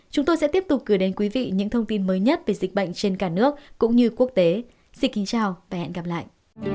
chúng tôi sẽ tiếp tục gửi đến quý vị những thông tin mới nhất về dịch bệnh trên cả nước cũng như quốc tế xin kính chào và hẹn gặp lại